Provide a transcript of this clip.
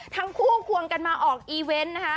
ทั้งคู่ควงกันมาออกอีเวนต์นะฮะ